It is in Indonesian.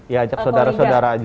ya ajak saudara saudara aja